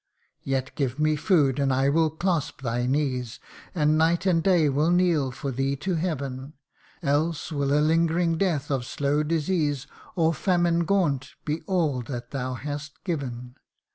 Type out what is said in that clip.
Yet give me food, and I will clasp thy knees, And night and day will kneel for thee to Heaven Else will a lingering death of slow disease, Or famine gaunt, be all that thou hast given.